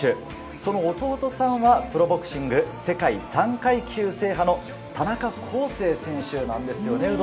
その弟さんはプロボクシング世界３階級制覇の田中恒成選手なんですよね。